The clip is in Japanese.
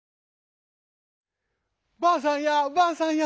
「ばあさんやばあさんや！